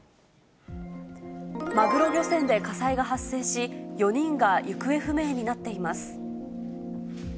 マグロ漁船で火災が発生し、４人が行方不明になっています。